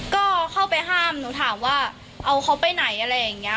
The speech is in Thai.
ก็เข้าไปห้ามหนูถามว่าเอาเขาไปไหนอะไรอย่างนี้